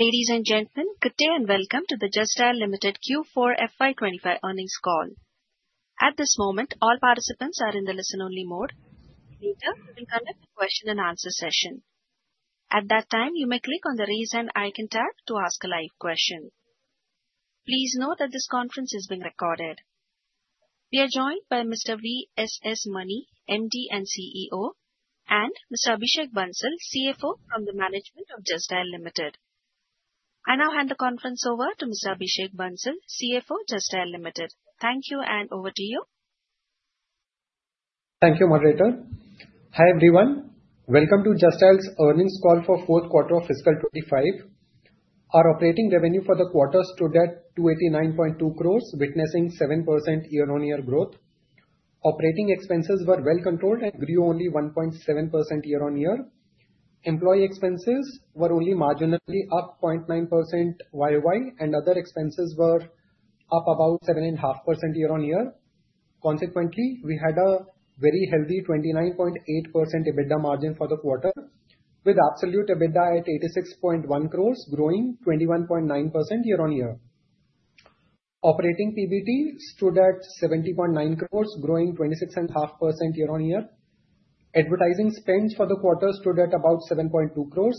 Ladies and gentlemen, good day and welcome to the Just Dial Ltd. Q4 FY25 Earnings Call. At this moment, all participants are in the listen-only mode. Later, we will conduct a question-and-answer session. At that time, you may click on the raise hand icon tab to ask a live question. Please note that this conference is being recorded. We are joined by Mr. V.S.S. Mani, MD and CEO, and Mr. Abhishek Bansal, CFO from the management of Just Dial Ltd.. I now hand the conference over to Mr. Abhishek Bansal, CFO, Just Dial Ltd. Thank you, and over to you. Thank you, Moderator. Hi everyone. Welcome to Just Dial's earnings call for the fourth quarter of fiscal 2025. Our operating revenue for the quarter stood at 289.2 crore, witnessing 7% year-on-year growth. Operating expenses were well controlled and grew only 1.7% year-on-year. Employee expenses were only marginally up 0.9% year-on-year, and other expenses were up about 7.5% year-on-year. Consequently, we had a very healthy 29.8% EBITDA margin for the quarter, with absolute EBITDA at 86.1 crore, growing 21.9% year-on-year. Operating PBT stood at 70.9 crore, growing 26.5% year-on-year. Advertising spends for the quarter stood at about 7.2 crore.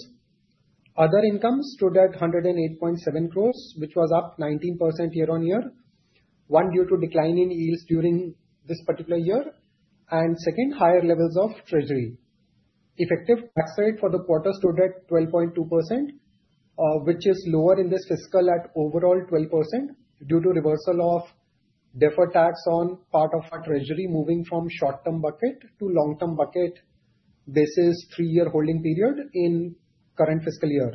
Other income stood at 108.7 crore, which was up 19% year-on-year, one due to a decline in yields during this particular year, and second, higher levels of treasury. Effective tax rate for the quarter stood at 12.2%, which is lower in this fiscal at overall 12% due to reversal of deferred tax on part of treasury moving from short-term bucket to long-term bucket basis three-year holding period in the current fiscal year.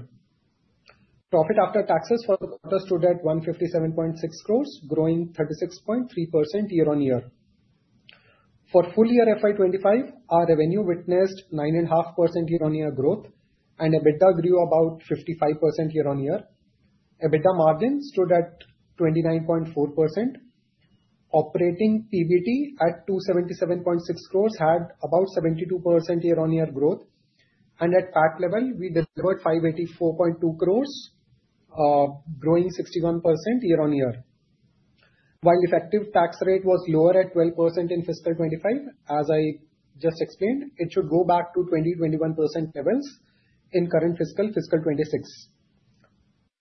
Profit after taxes for the quarter stood at 157.6 crore, growing 36.3% year-on-year. For full year FY 2025, our revenue witnessed 9.5% year-on-year growth, and EBITDA grew about 55% year-on-year. EBITDA margin stood at 29.4%. Operating PBT at 277.6 crore had about 72% year-on-year growth, and at PAT level, we delivered 584.2 crore, growing 61% year-on-year. While effective tax rate was lower at 12% in fiscal 2025, as I just explained, it should go back to 20-21% levels in the current fiscal 2026.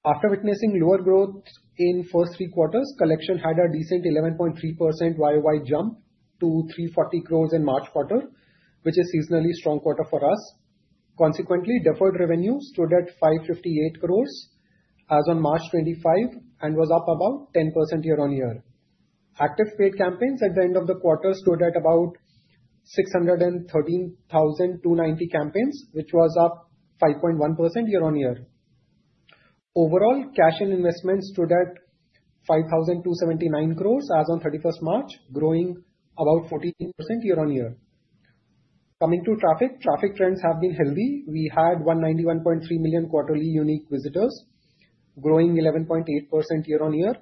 After witnessing lower growth in the first three quarters, collection had a decent 11.3% YOY jump to 340 crore in the March quarter, which is a seasonally strong quarter for us. Consequently, deferred revenue stood at 558 crore as of March 25 and was up about 10% year-on-year. Active paid campaigns at the end of the quarter stood at about 613,290 campaigns, which was up 5.1% year-on-year. Overall, cash and investment stood at 5,279 crore as of 31st March, growing about 14% year-on-year. Coming to traffic, traffic trends have been healthy. We had 191.3 million quarterly unique visitors, growing 11.8% year-on-year.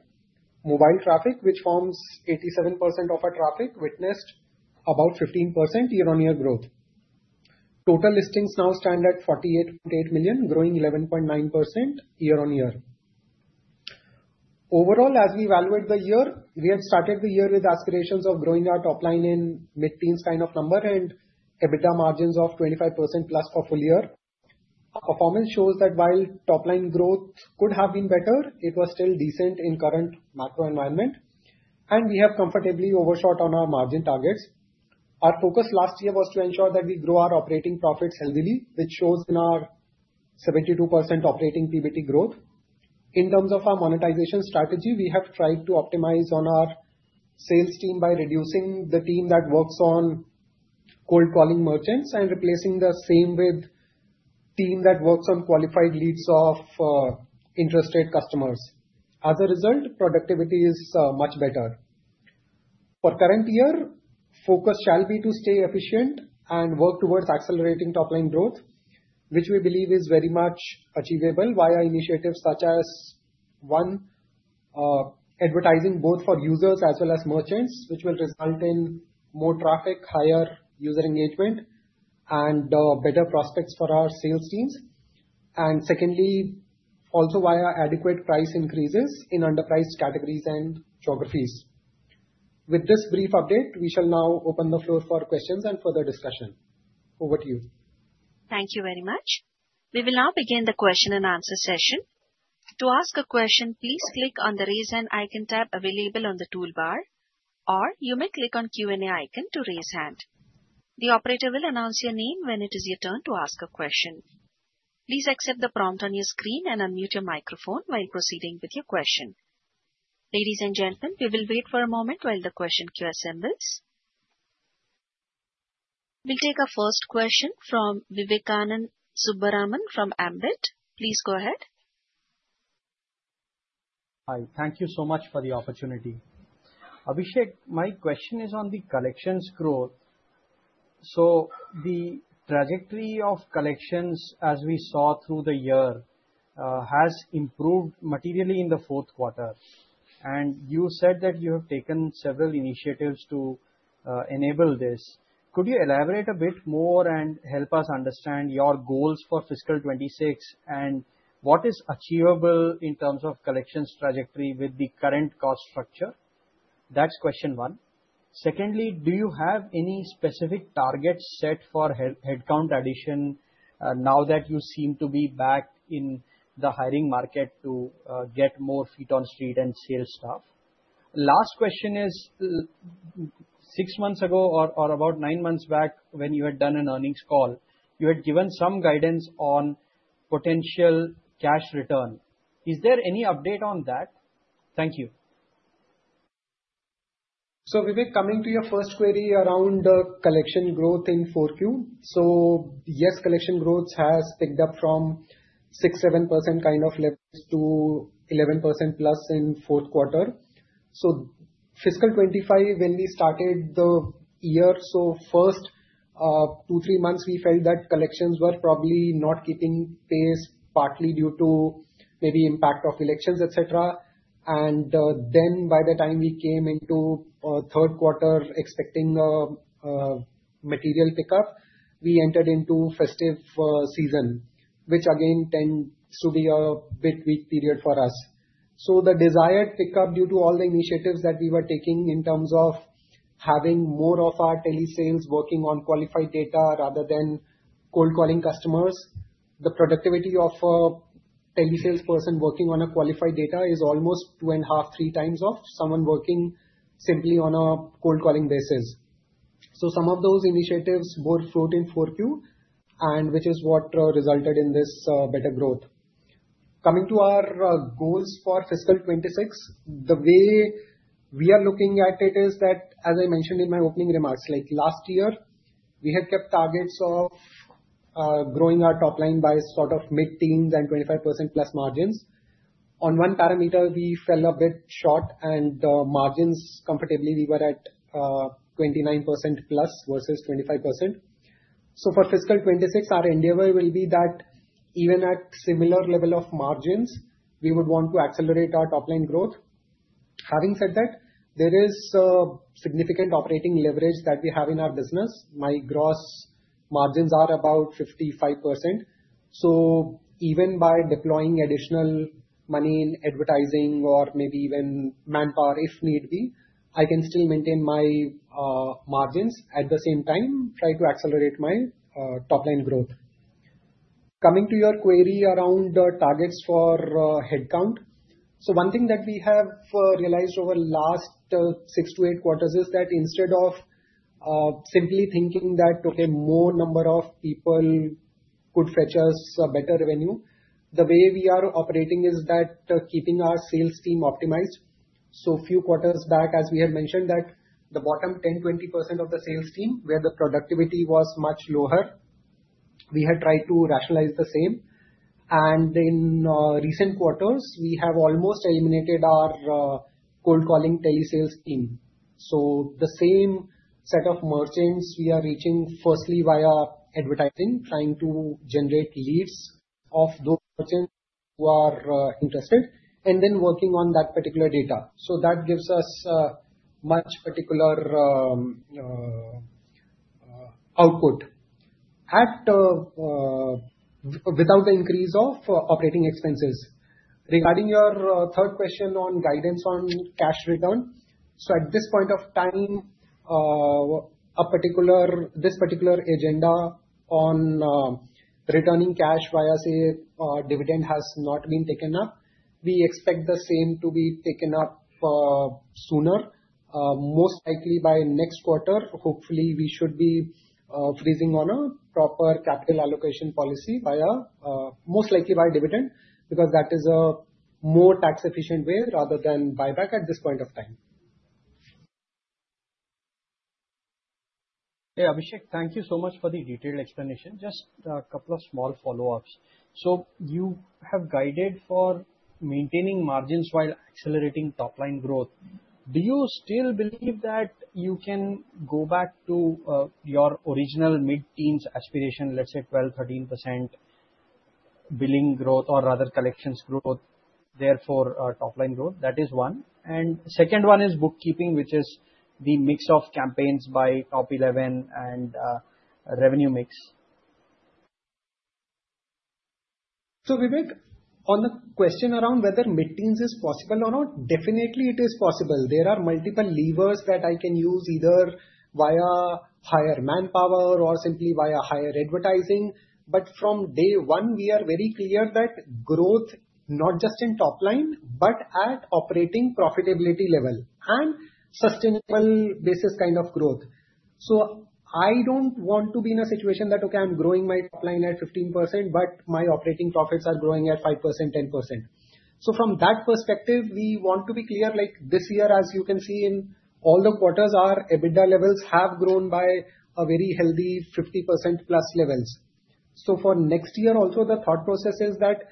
Mobile traffic, which forms 87% of our traffic, witnessed about 15% year-on-year growth. Total listings now stand at 48.8 million, growing 11.9% year-on-year. Overall, as we evaluate the year, we had started the year with aspirations of growing our top line in mid-teens kind of number and EBITDA margins of 25% plus for full year. Our performance shows that while top line growth could have been better, it was still decent in the current macro environment, and we have comfortably overshot on our margin targets. Our focus last year was to ensure that we grow our operating profits heavily, which shows in our 72% operating PBT growth. In terms of our monetization strategy, we have tried to optimize on our sales team by reducing the team that works on cold-calling merchants and replacing the same with a team that works on qualified leads of interested customers. As a result, productivity is much better. For the current year, the focus shall be to stay efficient and work towards accelerating top line growth, which we believe is very much achievable via initiatives such as, one, advertising both for users as well as merchants, which will result in more traffic, higher user engagement, and better prospects for our sales teams. Secondly, also via adequate price increases in underpriced categories and geographies. With this brief update, we shall now open the floor for questions and further discussion. Over to you. Thank you very much. We will now begin the question-and-answer session. To ask a question, please click on the raise hand icon tab available on the toolbar, or you may click on the Q&A icon to raise hand. The operator will announce your name when it is your turn to ask a question. Please accept the prompt on your screen and unmute your microphone while proceeding with your question. Ladies and gentlemen, we will wait for a moment while the question queue assembles. We'll take our first question from Vivekanand Subbaraman from Ambit. Please go ahead. Hi, thank you so much for the opportunity. Abhishek, my question is on the collections growth. The trajectory of collections, as we saw through the year, has improved materially in the fourth quarter. You said that you have taken several initiatives to enable this. Could you elaborate a bit more and help us understand your goals for fiscal 2026, and what is achievable in terms of collections trajectory with the current cost structure? That is question one. Secondly, do you have any specific targets set for headcount addition now that you seem to be back in the hiring market to get more feet on the street and sales staff? Last question is, six months ago or about nine months back, when you had done an earnings call, you had given some guidance on potential cash return. Is there any update on that? Thank you. Vivek, coming to your first query around collection growth in Q4, yes, collection growth has picked up from 6-7% kind of levels to 11% plus in the fourth quarter. For fiscal 2025, when we started the year, the first two to three months, we felt that collections were probably not keeping pace, partly due to maybe the impact of elections, etc. By the time we came into the third quarter, expecting material pickup, we entered into the festive season, which again tends to be a bit weak period for us. The desired pickup, due to all the initiatives that we were taking in terms of having more of our tele-sales working on qualified data rather than cold-calling customers, the productivity of a tele-salesperson working on qualified data is almost two and a half to three times of someone working simply on a cold-calling basis. Some of those initiatives bore fruit in Q4, which is what resulted in this better growth. Coming to our goals for fiscal 2026, the way we are looking at it is that, as I mentioned in my opening remarks, like last year, we had kept targets of growing our top line by sort of mid-teens and 25% plus margins. On one parameter, we fell a bit short, and margins comfortably we were at 29% plus versus 25%. For fiscal 2026, our endeavor will be that even at a similar level of margins, we would want to accelerate our top line growth. Having said that, there is significant operating leverage that we have in our business. My gross margins are about 55%. Even by deploying additional money in advertising or maybe even manpower, if need be, I can still maintain my margins. At the same time, try to accelerate my top line growth. Coming to your query around targets for headcount, one thing that we have realized over the last six to eight quarters is that instead of simply thinking that, okay, more number of people could fetch us better revenue, the way we are operating is that keeping our sales team optimized. A few quarters back, as we had mentioned, the bottom 10-20% of the sales team, where the productivity was much lower, we had tried to rationalize the same. In recent quarters, we have almost eliminated our cold-calling tele-sales team. The same set of merchants we are reaching firstly via advertising, trying to generate leads of those merchants who are interested, and then working on that particular data. That gives us much particular output without the increase of operating expenses. Regarding your third question on guidance on cash return, at this point of time, this particular agenda on returning cash via a dividend has not been taken up. We expect the same to be taken up sooner, most likely by next quarter. Hopefully, we should be freezing on a proper capital allocation policy, most likely by dividend, because that is a more tax-efficient way rather than buyback at this point of time. Hey, Abhishek, thank you so much for the detailed explanation. Just a couple of small follow-ups. You have guided for maintaining margins while accelerating top line growth. Do you still believe that you can go back to your original mid-teens aspiration, let's say 12-13% billing growth, or rather collections growth, therefore top line growth? That is one. The second one is bookkeeping, which is the mix of campaigns by top 11 and revenue mix. Vivek, on the question around whether mid-teens is possible or not, definitely it is possible. There are multiple levers that I can use either via higher manpower or simply via higher advertising. From day one, we are very clear that growth, not just in top line, but at operating profitability level and sustainable basis kind of growth. I do not want to be in a situation that, okay, I am growing my top line at 15%, but my operating profits are growing at 5%, 10%. From that perspective, we want to be clear, like this year, as you can see in all the quarters, our EBITDA levels have grown by a very healthy 50% plus levels. For next year, also, the thought process is that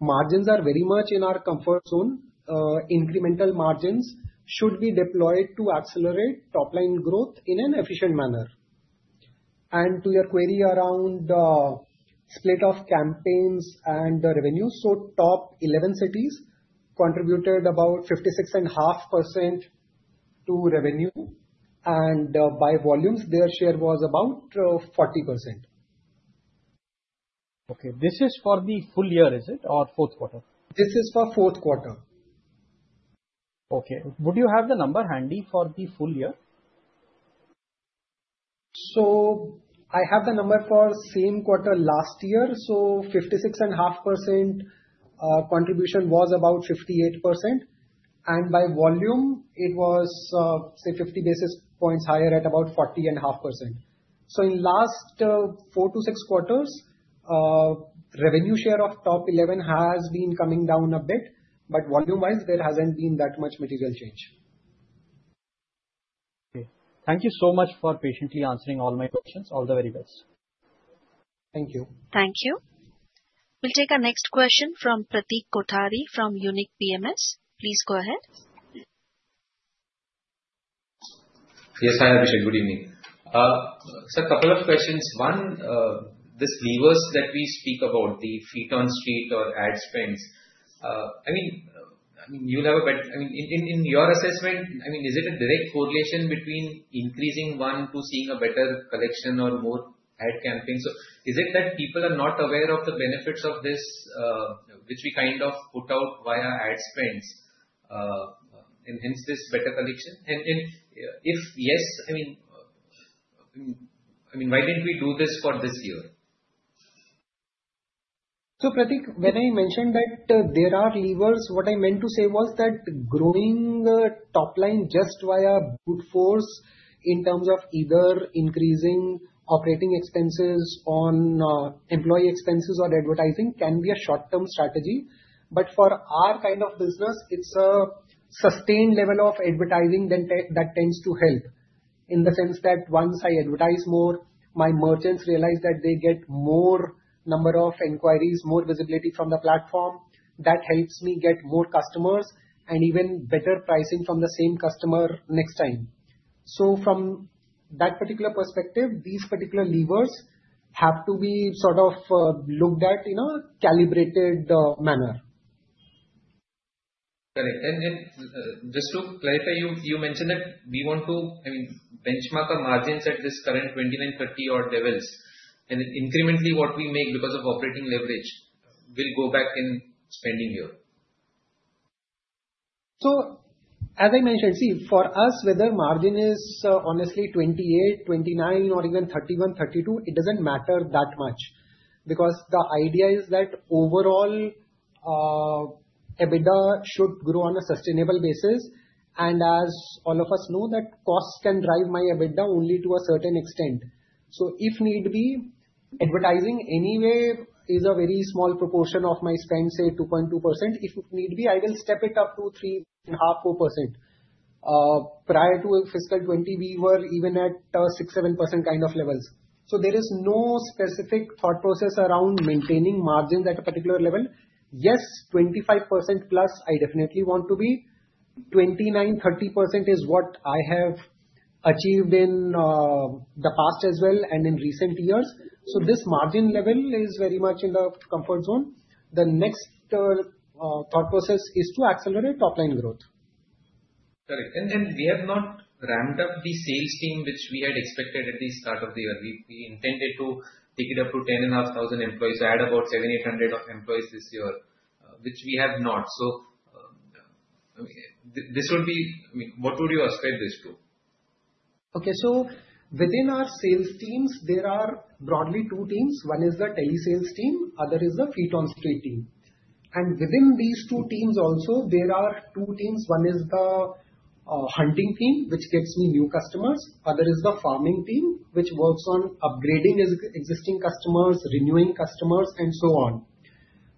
margins are very much in our comfort zone. Incremental margins should be deployed to accelerate top line growth in an efficient manner. To your query around the split of campaigns and the revenue, the top 11 cities contributed about 56.5% to revenue, and by volumes, their share was about 40%. Okay, this is for the full year, is it, or fourth quarter? This is for fourth quarter. Okay. Would you have the number handy for the full year? I have the number for the same quarter last year. 56.5% contribution was about 58%. By volume, it was, say, 50 basis points higher at about 40.5%. In the last four to six quarters, revenue share of top 11 has been coming down a bit, but volume-wise, there hasn't been that much material change. Okay. Thank you so much for patiently answering all my questions. All the very best. Thank you. Thank you. We'll take our next question from Pratik Kothari from Unique PMS. Please go ahead. Yes, hi Abhishek. Good evening. Sir, a couple of questions. One, these levers that we speak about, the feet on the street or ad spends, I mean, you'll have a better—I mean, in your assessment, I mean, is it a direct correlation between increasing one to seeing a better collection or more ad campaigns? Is it that people are not aware of the benefits of this, which we kind of put out via ad spends, and hence this better collection? If yes, I mean, why didn't we do this for this year? Pratik, when I mentioned that there are levers, what I meant to say was that growing top line just via brute force in terms of either increasing operating expenses on employee expenses or advertising can be a short-term strategy. For our kind of business, it's a sustained level of advertising that tends to help in the sense that once I advertise more, my merchants realize that they get a more number of inquiries, more visibility from the platform. That helps me get more customers and even better pricing from the same customer next time. From that particular perspective, these particular levers have to be sort of looked at in a calibrated manner. Got it. Just to clarify, you mentioned that we want to, I mean, benchmark our margins at this current 29-30% levels. Incrementally, what we make because of operating leverage will go back in spending here. As I mentioned, see, for us, whether margin is honestly 28%, 29%, or even 31%, 32%, it does not matter that much because the idea is that overall, EBITDA should grow on a sustainable basis. As all of us know, costs can drive my EBITDA only to a certain extent. If need be, advertising anyway is a very small proportion of my spend, say, 2.2%. If need be, I will step it up to 3.5%-4%. Prior to fiscal 2020, we were even at 6%-7% kind of levels. There is no specific thought process around maintaining margins at a particular level. Yes, 25% plus, I definitely want to be. 29%-30% is what I have achieved in the past as well and in recent years. This margin level is very much in the comfort zone. The next thought process is to accelerate top line growth. Got it. We have not ramped up the sales team, which we had expected at the start of the year. We intended to take it up to 10,500 employees, add about 7,800 employees this year, which we have not. This would be—I mean, what would you ask this to? Okay, so within our sales teams, there are broadly two teams. One is the tele-sales team, the other is the feet on the street team. Within these two teams also, there are two teams. One is the hunting team, which gets new customers. The other is the farming team, which works on upgrading existing customers, renewing customers, and so on.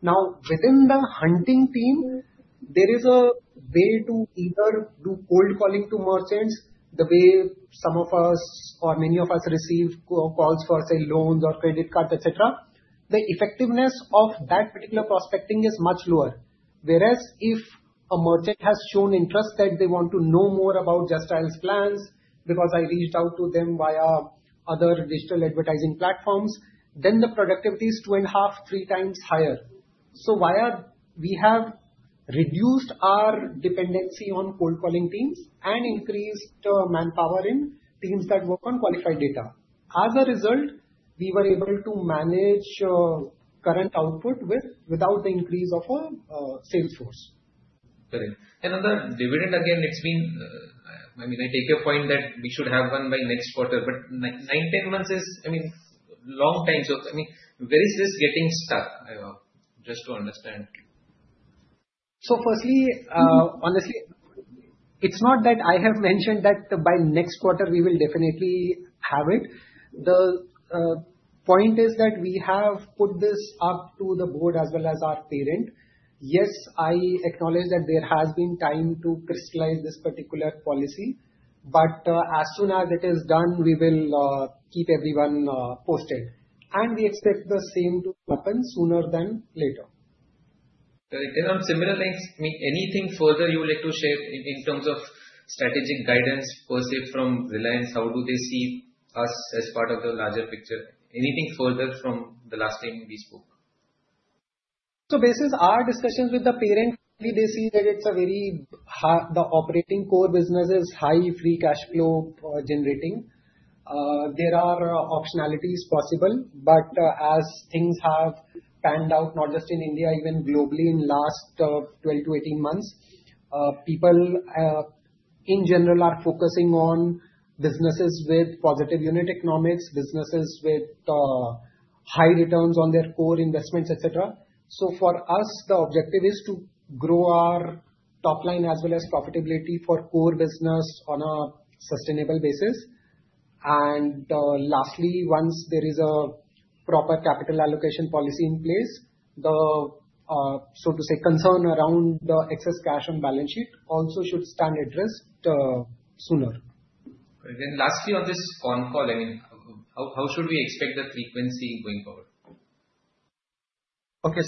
Now, within the hunting team, there is a way to either do cold calling to merchants the way some of us or many of us receive calls for, say, loans or credit cards, etc. The effectiveness of that particular prospecting is much lower. Whereas if a merchant has shown interest that they want to know more about Just Dial plans because I reached out to them via other digital advertising platforms, then the productivity is two and a half, three times higher. We have reduced our dependency on cold calling teams and increased manpower in teams that work on qualified data. As a result, we were able to manage current output without the increase of our sales force. Got it. On the dividend, again, it's been—I mean, I take your point that we should have one by next quarter. Nine, ten months is, I mean, long time. I mean, where is this getting stuck? Just to understand. Firstly, honestly, it's not that I have mentioned that by next quarter, we will definitely have it. The point is that we have put this up to the board as well as our parent. Yes, I acknowledge that there has been time to crystallize this particular policy. As soon as it is done, we will keep everyone posted. We expect the same to happen sooner than later. Got it. On similar lines, I mean, anything further you would like to share in terms of strategic guidance per se from Reliance? How do they see us as part of the larger picture? Anything further from the last time we spoke? Basically, our discussions with the parent, they see that it's a very—the operating core business is high free cash flow generating. There are optionalities possible. As things have panned out, not just in India, even globally in the last 12 to 18 months, people in general are focusing on businesses with positive unit economics, businesses with high returns on their core investments, etc. For us, the objective is to grow our top line as well as profitability for core business on a sustainable basis. Lastly, once there is a proper capital allocation policy in place, the, so to say, concern around the excess cash on balance sheet also should stand at risk sooner. Lastly, on this con call, I mean, how should we expect the frequency going forward? Okay,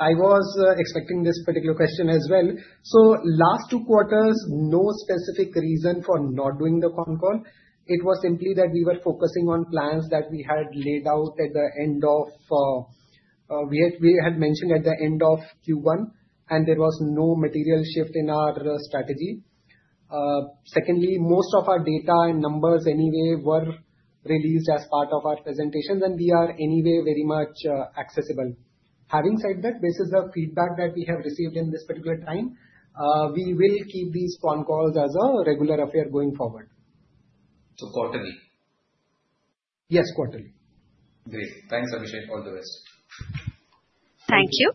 I was expecting this particular question as well. The last two quarters, no specific reason for not doing the con call. It was simply that we were focusing on plans that we had laid out at the end of—we had mentioned at the end of Q1, and there was no material shift in our strategy. Secondly, most of our data and numbers anyway were released as part of our presentations, and we are anyway very much accessible. Having said that, this is the feedback that we have received in this particular time. We will keep these con calls as a regular affair going forward. So quarterly? Yes, quarterly. Great. Thanks, Abhishek. All the best. Thank you.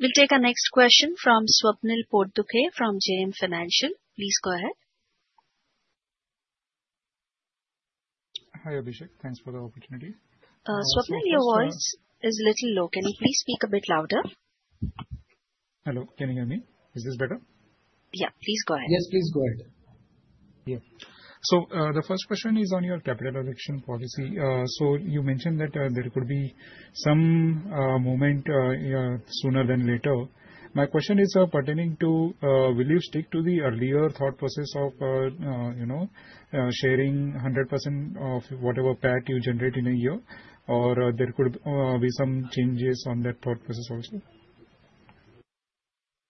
We'll take our next question from Swapnil Potdukhe from JM Financial. Please go ahead. Hi, Abhishek. Thanks for the opportunity. Swapnil, your voice is a little low. Can you please speak a bit louder? Hello. Can you hear me? Is this better? Yeah, please go ahead. Yes, please go ahead. Yeah. The first question is on your capital allocation policy. You mentioned that there could be some movement sooner than later. My question is pertaining to, will you stick to the earlier thought process of sharing 100% of whatever PAT you generate in a year? Or there could be some changes on that thought process also?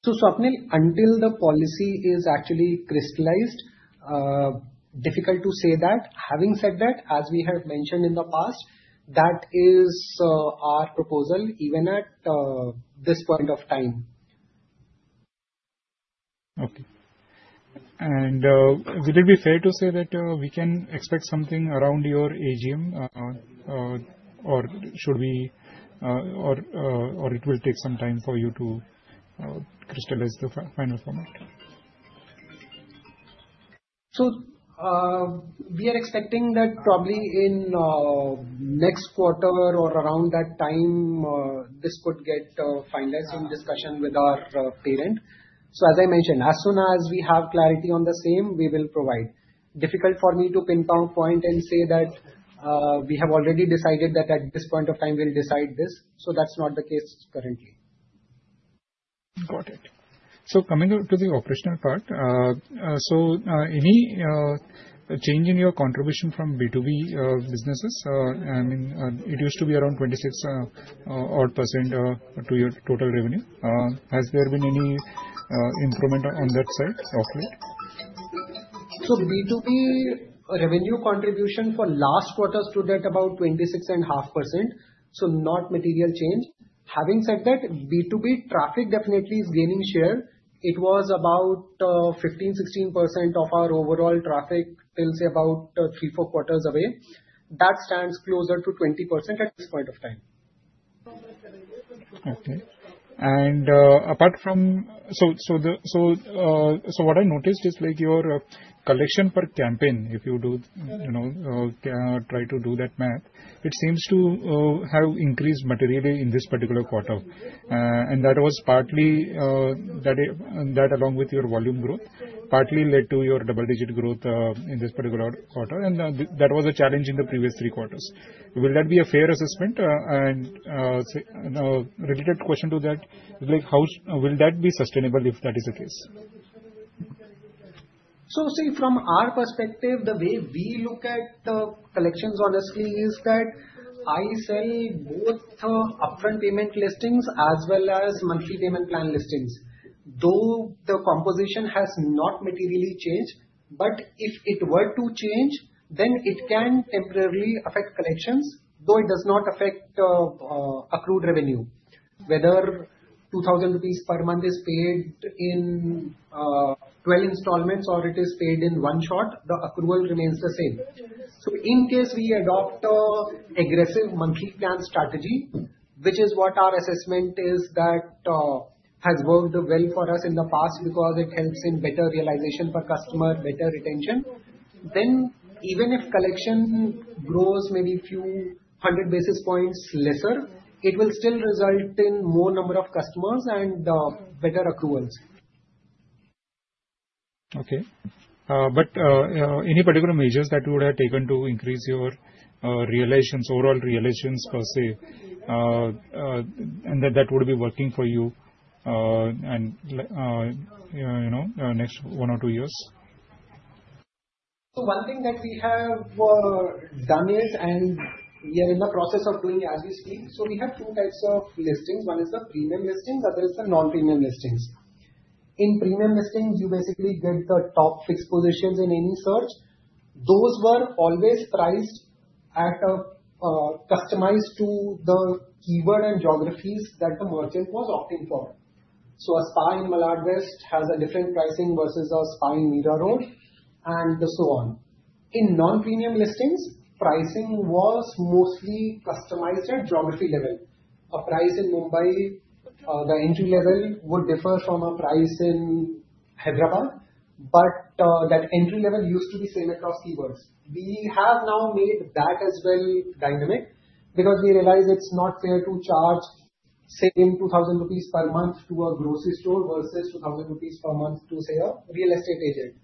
Swapnil, until the policy is actually crystallized, difficult to say that. Having said that, as we have mentioned in the past, that is our proposal even at this point of time. Okay. Would it be fair to say that we can expect something around your AGM, or should we, or it will take some time for you to crystallize the final format? We are expecting that probably in next quarter or around that time, this could get finalized in discussion with our parent. As I mentioned, as soon as we have clarity on the same, we will provide. Difficult for me to pinpoint and say that we have already decided that at this point of time, we will decide this. That is not the case currently. Got it. Coming to the operational part, any change in your contribution from B2B businesses? I mean, it used to be around 26% to your total revenue. Has there been any improvement on that side of it? B2B revenue contribution for last quarter stood at about 26.5%. Not material change. Having said that, B2B traffic definitely is gaining share. It was about 15%-16% of our overall traffic till say about three, four quarters away. That stands closer to 20% at this point of time. Okay. Apart from, what I noticed is like your collection per campaign, if you do try to do that math, it seems to have increased materially in this particular quarter. That was partly that along with your volume growth, partly led to your double-digit growth in this particular quarter. That was a challenge in the previous three quarters. Will that be a fair assessment? Related question to that, will that be sustainable if that is the case? From our perspective, the way we look at collections honestly is that I sell both upfront payment listings as well as monthly payment plan listings. Though the composition has not materially changed, if it were to change, then it can temporarily affect collections, though it does not affect accrued revenue. Whether 2,000 rupees per month is paid in 12 installments or it is paid in one shot, the accrual remains the same. In case we adopt an aggressive monthly plan strategy, which is what our assessment is that has worked well for us in the past because it helps in better realization for customer, better retention, then even if collection grows maybe a few hundred basis points lesser, it will still result in more number of customers and better accruals. Okay. Any particular measures that you would have taken to increase your realizations, overall realizations per se, and that would be working for you next one or two years? One thing that we have done is, and we are in the process of doing as we speak, we have two types of listings. One is the premium listings, other is the non-premium listings. In premium listings, you basically get the top fixed positions in any search. Those were always priced at a customized to the keyword and geographies that the merchant was opting for. A spa in Malad West has a different pricing versus a spa in Mira Road, and so on. In non-premium listings, pricing was mostly customized at geography level. A price in Mumbai, the entry level would differ from a price in Hyderabad, but that entry level used to be same across keywords. We have now made that as well dynamic because we realize it's not fair to charge the same 2,000 rupees per month to a grocery store versus 2,000 rupees per month to, say, a real estate agent.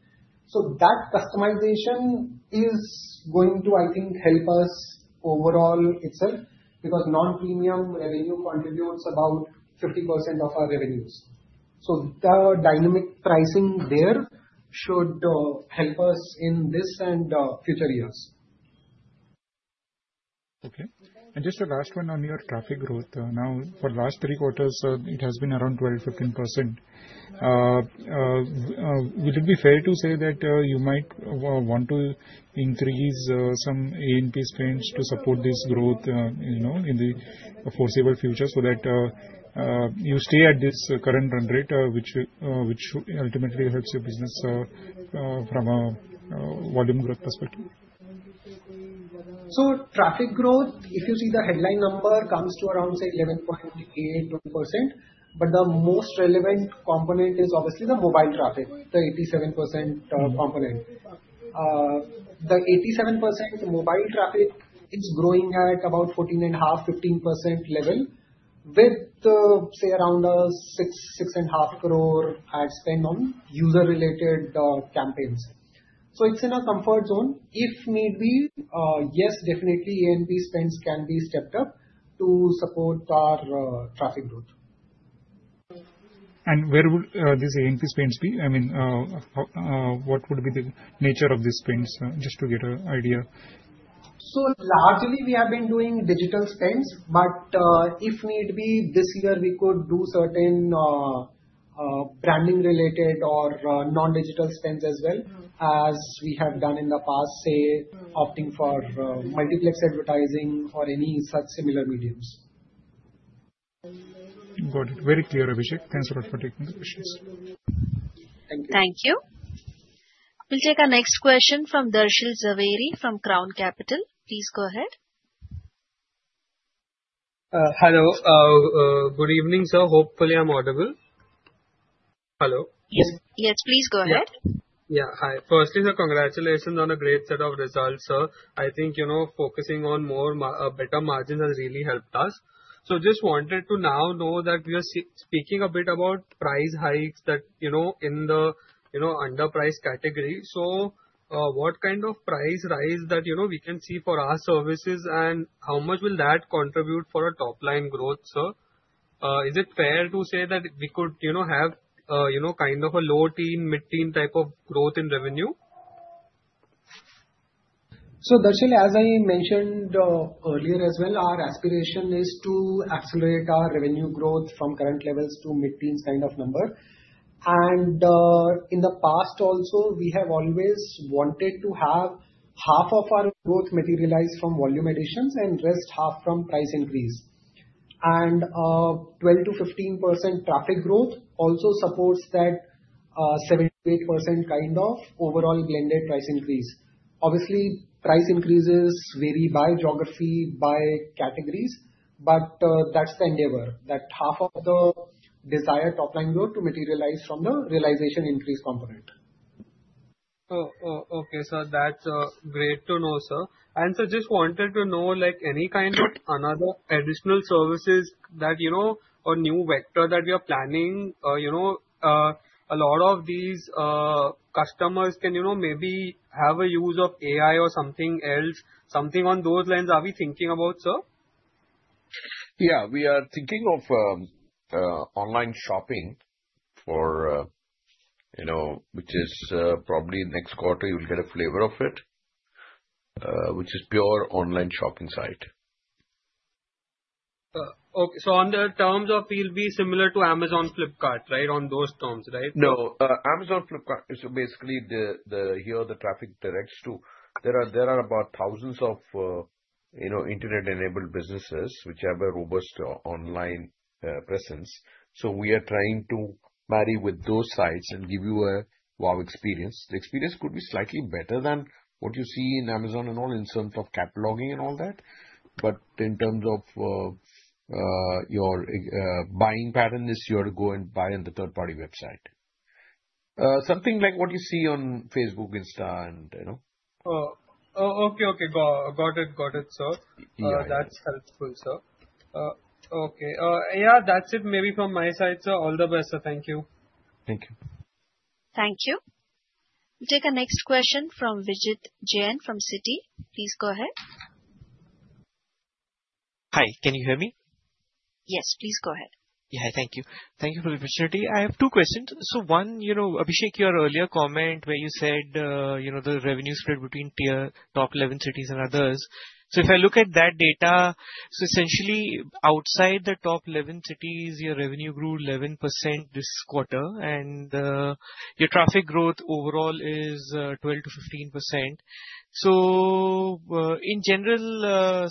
That customization is going to, I think, help us overall itself because non-premium revenue contributes about 50% of our revenues. The dynamic pricing there should help us in this and future years. Okay. Just a last one on your traffic growth. Now, for the last three quarters, it has been around 12-15%. Would it be fair to say that you might want to increase some A&P spends to support this growth in the foreseeable future so that you stay at this current run rate, which ultimately helps your business from a volume growth perspective? Traffic growth, if you see the headline number, comes to around, say, 11.8%. The most relevant component is obviously the mobile traffic, the 87% component. The 87% mobile traffic is growing at about 14.5%-15% level with, say, around 6.5 crore ad spend on user-related campaigns. It is in our comfort zone. If need be, yes, definitely A&P spends can be stepped up to support our traffic growth. Where would these A&P spends be? I mean, what would be the nature of these spends just to get an idea? Largely, we have been doing digital spends, but if need be, this year we could do certain branding-related or non-digital spends as well as we have done in the past, say, opting for multiplex advertising or any such similar mediums. Got it. Very clear, Abhishek. Thanks a lot for taking the questions. Thank you. Thank you. We'll take our next question from Darshil Jhaveri from Crown Capital. Please go ahead. Hello. Good evening, sir. Hopefully, I'm audible. Hello? Yes, please go ahead. Yeah. Hi. Firstly, sir, congratulations on a great set of results, sir. I think focusing on better margins has really helped us. Just wanted to now know that we are speaking a bit about price hikes in the underpriced category. What kind of price rise can we see for our services, and how much will that contribute for our top-line growth, sir? Is it fair to say that we could have kind of a low teen, mid-teen type of growth in revenue? Darshil, as I mentioned earlier as well, our aspiration is to accelerate our revenue growth from current levels to mid-teens kind of number. In the past also, we have always wanted to have half of our growth materialize from volume additions and the rest half from price increase. 12%-15% traffic growth also supports that 7%-8% kind of overall blended price increase. Obviously, price increases vary by geography, by categories, but that is the endeavor, that half of the desired top-line growth to materialize from the realization increase component. Okay, sir. That's great to know, sir. Sir, just wanted to know any kind of additional services or new vector that we are planning. A lot of these customers can maybe have a use of AI or something else. Something on those lines, are we thinking about, sir? Yeah. We are thinking of online shopping, which is probably next quarter you'll get a flavor of it, which is pure online shopping site. Okay. In terms of, it'll be similar to Amazon, Flipkart, right, on those terms, right? No. Amazon, Flipkart is basically where the traffic directs to. There are about thousands of internet-enabled businesses which have a robust online presence. We are trying to marry with those sites and give you a wow experience. The experience could be slightly better than what you see in Amazon and all in terms of cataloging and all that. In terms of your buying pattern, it's you are to go and buy on the third-party website. Something like what you see on Facebook, Insta, and. Oh, okay, okay. Got it, got it, sir. That's helpful, sir. Okay. Yeah, that's it maybe from my side, sir. All the best, sir. Thank you. Thank you. Thank you. We'll take our next question from Vijit Jain from Citi. Please go ahead. Hi. Can you hear me? Yes, please go ahead. Yeah, thank you. Thank you for the opportunity. I have two questions. One, Abhishek, your earlier comment where you said the revenue spread between top 11 cities and others. If I look at that data, essentially outside the top 11 cities, your revenue grew 11% this quarter, and your traffic growth overall is 12-15%. In general,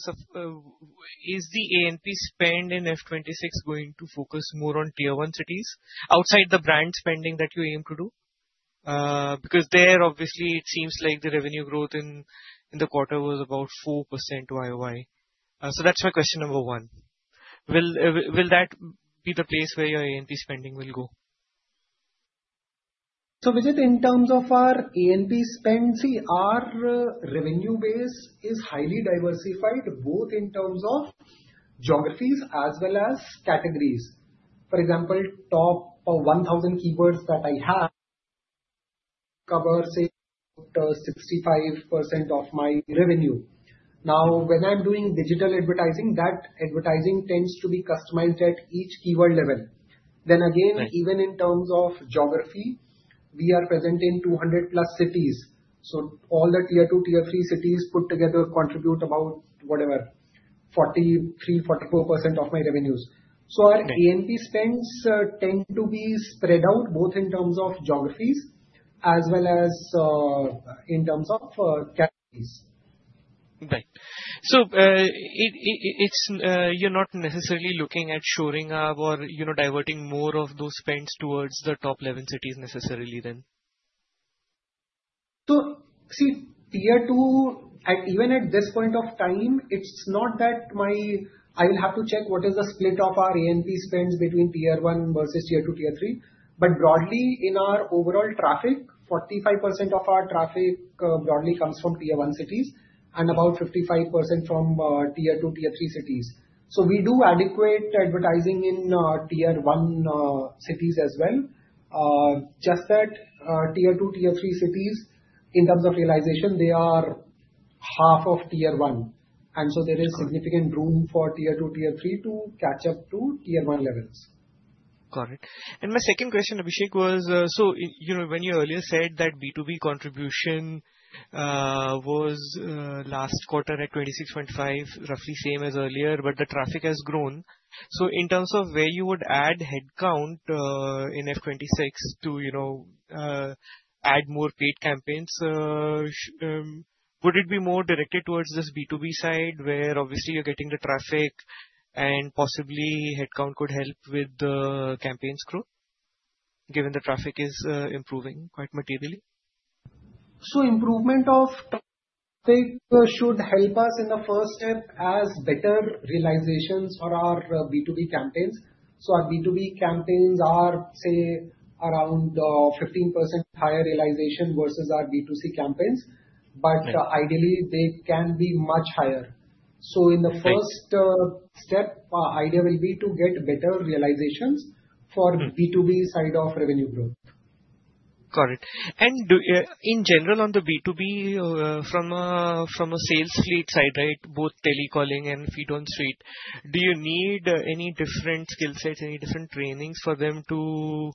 is the A&P spend in 2026 going to focus more on tier one cities outside the brand spending that you aim to do? Because there, obviously, it seems like the revenue growth in the quarter was about 4% to YOY. That is my question number one. Will that be the place where your A&P spending will go? In terms of our A&P spend, see, our revenue base is highly diversified both in terms of geographies as well as categories. For example, top 1,000 keywords that I have cover, say, 65% of my revenue. Now, when I'm doing digital advertising, that advertising tends to be customized at each keyword level. Again, even in terms of geography, we are present in 200-plus cities. All the tier two, tier three cities put together contribute about, whatever, 43-44% of my revenues. Our A&P spends tend to be spread out both in terms of geographies as well as in terms of categories. Right. So you're not necessarily looking at shoring up or diverting more of those spends towards the top 11 cities necessarily then? See, tier two, even at this point of time, it's not that I will have to check what is the split of our A&P spends between tier one versus tier two, tier three. Broadly, in our overall traffic, 45% of our traffic broadly comes from tier one cities and about 55% from tier two, tier three cities. We do adequate advertising in tier one cities as well. Just that tier two, tier three cities, in terms of realization, they are half of tier one. There is significant room for tier two, tier three to catch up to tier one levels. Got it. My second question, Abhishek, was so when you earlier said that B2B contribution was last quarter at 26.5, roughly same as earlier, but the traffic has grown. In terms of where you would add headcount in F2026 to add more paid campaigns, would it be more directed towards this B2B side where obviously you're getting the traffic and possibly headcount could help with the campaigns growth given the traffic is improving quite materially? Improvement of traffic should help us in the first step as better realizations for our B2B campaigns. Our B2B campaigns are, say, around 15% higher realization versus our B2C campaigns. Ideally, they can be much higher. In the first step, our idea will be to get better realizations for B2B side of revenue growth. Got it. In general, on the B2B from a sales fleet side, right, both telecalling and feet-on-street, do you need any different skill sets, any different trainings for them to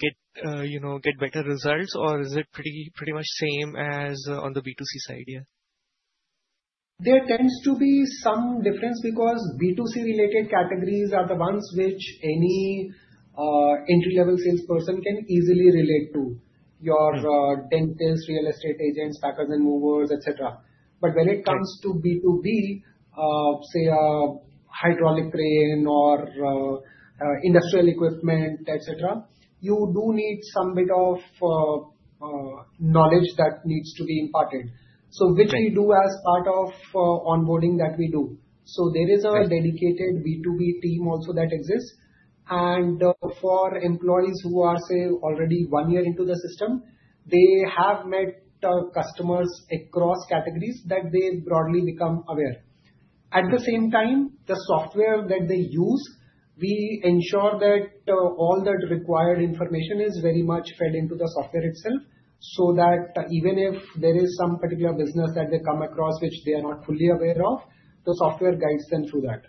get better results, or is it pretty much same as on the B2C side here? There tends to be some difference because B2C-related categories are the ones which any entry-level salesperson can easily relate to: your dentists, real estate agents, packers and movers, etc. When it comes to B2B, say, a hydraulic crane or industrial equipment, etc., you do need some bit of knowledge that needs to be imparted, which we do as part of onboarding that we do. There is a dedicated B2B team also that exists. For employees who are, say, already one year into the system, they have met customers across categories that they broadly become aware. At the same time, the software that they use, we ensure that all the required information is very much fed into the software itself so that even if there is some particular business that they come across which they are not fully aware of, the software guides them through that.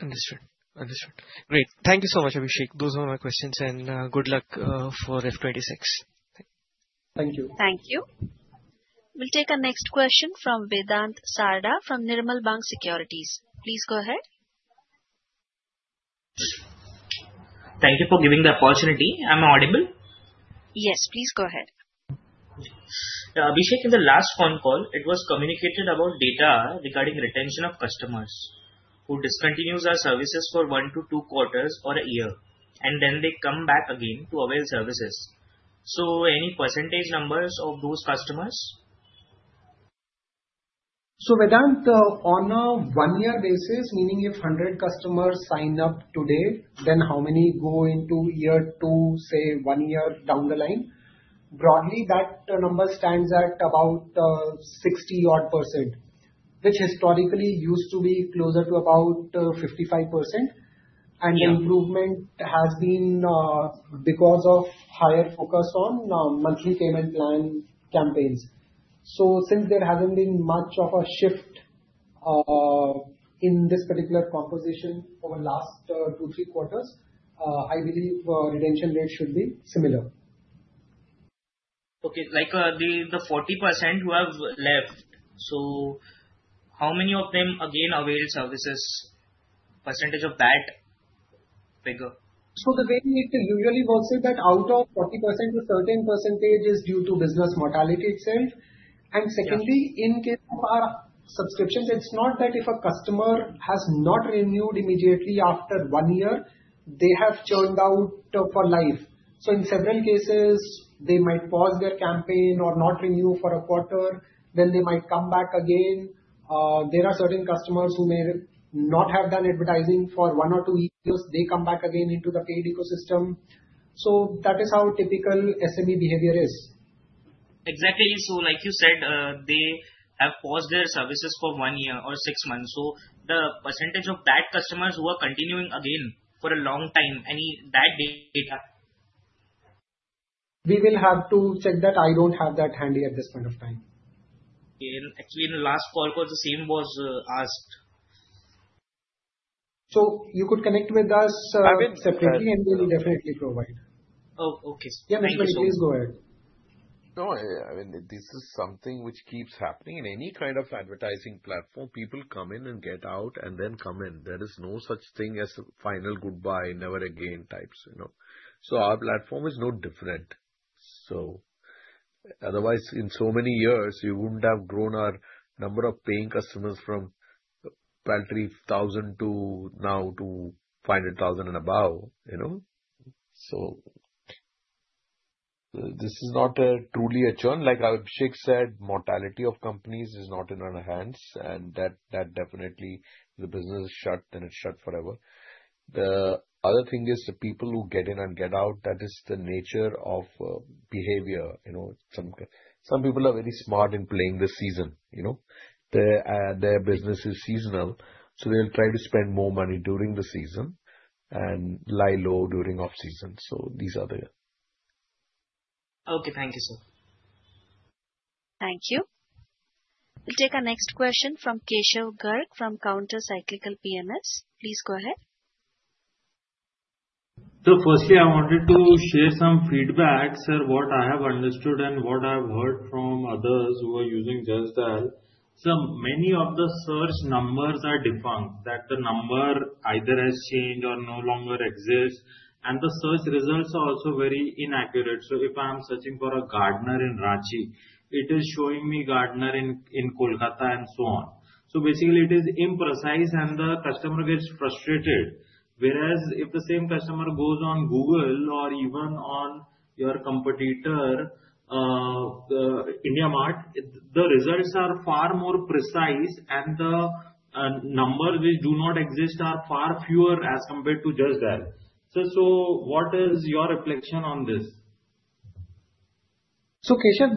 Understood. Understood. Great. Thank you so much, Abhishek. Those were my questions, and good luck for F26. Thank you. Thank you. We'll take our next question from Vedant Sarda from Nirmal Bang Securities. Please go ahead. Thank you for giving the opportunity. Am I audible? Yes, please go ahead. Abhishek, in the last phone call, it was communicated about data regarding retention of customers who discontinue our services for one to two quarters or a year, and then they come back again to avail services. Any percentage numbers of those customers? Vedant, on a one-year basis, meaning if 100 customers sign up today, then how many go into year two, say, one year down the line? Broadly, that number stands at about 60-odd %, which historically used to be closer to about 55%. The improvement has been because of higher focus on monthly payment plan campaigns. Since there hasn't been much of a shift in this particular composition over the last two-three quarters, I believe retention rates should be similar. Okay. Like the 40% who have left, how many of them again avail services? Percentage of that figure? The way it usually works is that out of 40%, 13% is due to business mortality itself. Secondly, in case of our subscriptions, it's not that if a customer has not renewed immediately after one year, they have churned out for life. In several cases, they might pause their campaign or not renew for a quarter. They might come back again. There are certain customers who may not have done advertising for one or two years. They come back again into the paid ecosystem. That is how typical SME behavior is. Exactly. Like you said, they have paused their services for one year or six months. The percentage of bad customers who are continuing again for a long time, any bad data? We will have to check that. I don't have that handy at this point of time. Actually, in the last call, the same was asked. You could connect with us separately and we will definitely provide. Oh, okay. V.S.S Mani, please go ahead. No, I mean, this is something which keeps happening in any kind of advertising platform. People come in and get out and then come in. There is no such thing as final goodbye, never again types. Our platform is no different. Otherwise, in so many years, you would not have grown our number of paying customers from about 3,000 to now to 500,000 and above. This is not truly a churn. Like Abhishek said, mortality of companies is not in our hands. That definitely, if the business is shut, then it is shut forever. The other thing is the people who get in and get out. That is the nature of behavior. Some people are very smart in playing the season. Their business is seasonal. They will try to spend more money during the season and lie low during off-season. These are the. Okay. Thank you, sir. Thank you. We'll take our next question from Keshav Garg from Countercyclical PMS. Please go ahead. Firstly, I wanted to share some feedback, sir, what I have understood and what I have heard from others who are using Dial. Many of the search numbers are defunct. The number either has changed or no longer exists. The search results are also very inaccurate. If I am searching for a gardener in Ranchi, it is showing me gardener in Kolkata and so on. Basically, it is imprecise and the customer gets frustrated. Whereas if the same customer goes on Google or even on your competitor, IndiaMart, the results are far more precise and the numbers which do not exist are far fewer as compared to just that. What is your reflection on this? Keshav,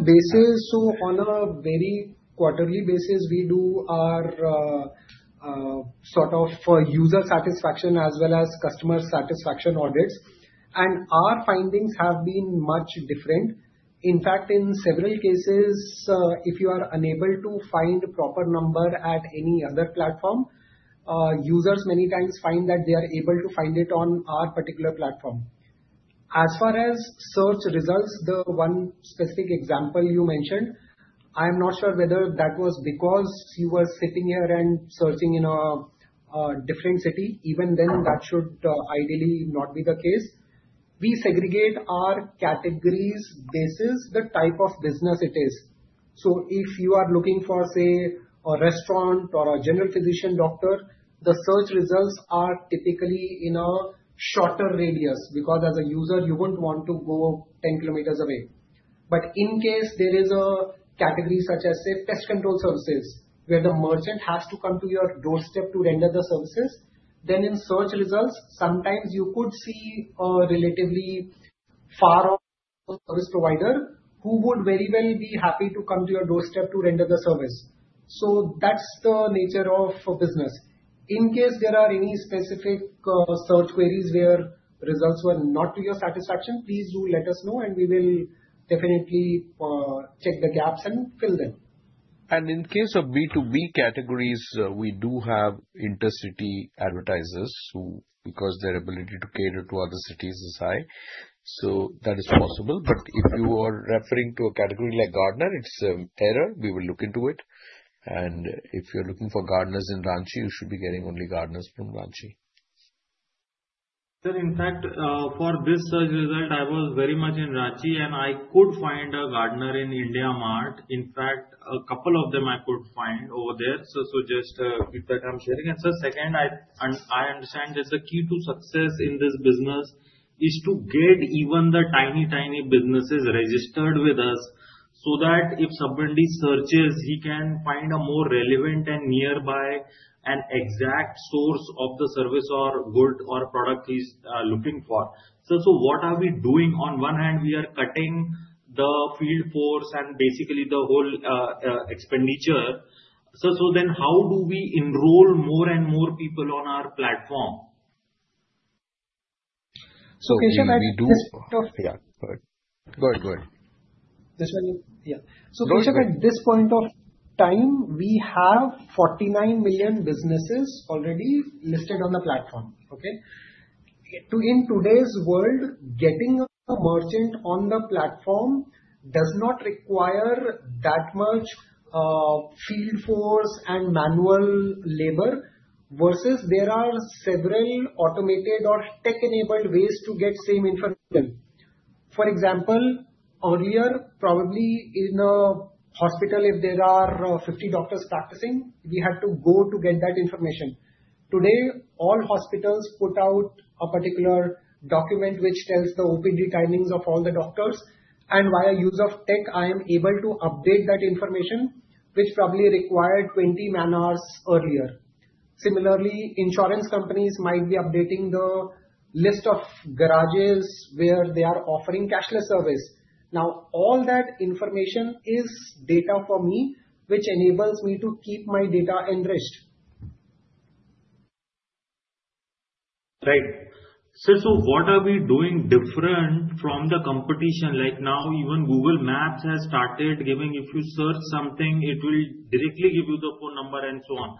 on a very quarterly basis, we do our sort of user satisfaction as well as customer satisfaction audits. Our findings have been much different. In fact, in several cases, if you are unable to find a proper number at any other platform, users many times find that they are able to find it on our particular platform. As far as search results, the one specific example you mentioned, I'm not sure whether that was because you were sitting here and searching in a different city. Even then, that should ideally not be the case. We segregate our categories based on the type of business it is. If you are looking for, say, a restaurant or a general physician doctor, the search results are typically in a shorter radius because as a user, you wouldn't want to go 10 kilometers away. In case there is a category such as, say, pest control services, where the merchant has to come to your doorstep to render the services, then in search results, sometimes you could see a relatively far-off service provider who would very well be happy to come to your doorstep to render the service. That is the nature of business. In case there are any specific search queries where results were not to your satisfaction, please do let us know, and we will definitely check the gaps and fill them. In case of B2B categories, we do have intercity advertisers because their ability to cater to other cities is high. That is possible. If you are referring to a category like gardener, it's an error. We will look into it. If you're looking for gardeners in Ranchi, you should be getting only gardeners from Ranchi. Sir, in fact, for this search result, I was very much in Ranchi, and I could find a gardener in IndiaMart. In fact, a couple of them I could find over there. Just keep that I'm sharing. Sir, second, I understand there's a key to success in this business is to get even the tiny, tiny businesses registered with us so that if somebody searches, he can find a more relevant and nearby and exact source of the service or good or product he's looking for. What are we doing? On one hand, we are cutting the field force and basically the whole expenditure. How do we enroll more and more people on our platform? We do. Yeah. Go ahead. Go ahead. Yeah. Keshav, at this point of time, we have 49 million businesses already listed on the platform. In today's world, getting a merchant on the platform does not require that much field force and manual labor versus there are several automated or tech-enabled ways to get same information. For example, earlier, probably in a hospital, if there are 50 doctors practicing, we had to go to get that information. Today, all hospitals put out a particular document which tells the OPD timings of all the doctors. Via use of tech, I am able to update that information, which probably required 20 man-hours earlier. Similarly, insurance companies might be updating the list of garages where they are offering cashless service. All that information is data for me, which enables me to keep my data enriched. Right. So what are we doing different from the competition? Like now, even Google Maps has started giving, if you search something, it will directly give you the phone number and so on.